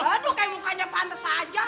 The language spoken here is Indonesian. aduh kayak mukanya pantes aja